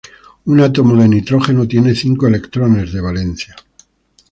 Un átomo de nitrógeno tiene cinco electrones de valencia.